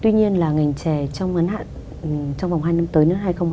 tuy nhiên là ngành trèo trong ngắn hạn trong vòng hai năm tới đến hai nghìn hai mươi